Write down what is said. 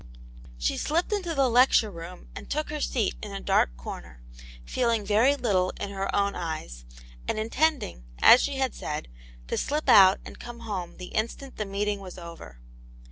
" She slipped into the lecture room and took her scat in a dark corner, feeling very little in her own eyes, and intending, as she had said, to slip out and • come home the instant the meeting was over.